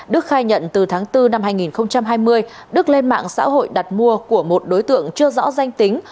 đức khai nhận từ tháng bốn năm hai nghìn hai mươi đức lên mạng xã hội đặt mua của một đối tượng chưa rõ danh tính